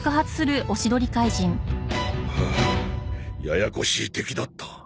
ややこしい敵だった。